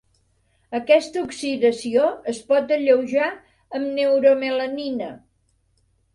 Aquesta oxidació es pot alleujar amb neuromelanina.